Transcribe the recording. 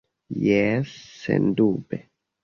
Jes, sendube.